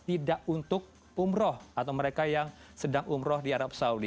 tidak untuk umroh atau mereka yang sedang umroh di arab saudi